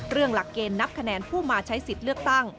หลักเกณฑ์นับคะแนนผู้มาใช้สิทธิ์เลือกตั้ง